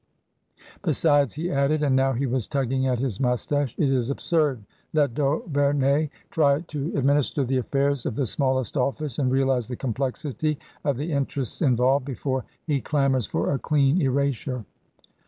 " Besides," he added — ^and now he was tugging at his moustache —" it is absurd. Let d'Auverney try to ad TRANSITION. 147 minister the af&irs of the smallest office and realize the complexity of the interests involved before he clamours for a clean erasure."